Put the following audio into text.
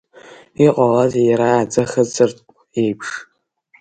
Иҟалазеи иара аӡы хыҵыртә еиԥш?